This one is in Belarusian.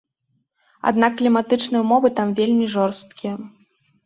Аднак кліматычныя ўмовы там вельмі жорсткія.